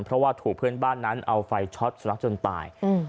เพราะว่าถูกเพื่อนบ้านนั้นเอาไฟช็อตสุนัขจนตาย